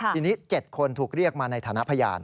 ทีนี้๗คนถูกเรียกมาในฐานะพยาน